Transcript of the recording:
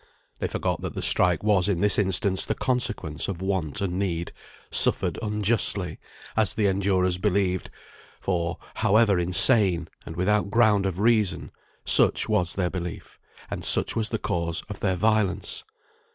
They forgot that the strike was in this instance the consequence of want and need, suffered unjustly, as the endurers believed; for, however insane, and without ground of reason, such was their belief, and such was the cause of their violence.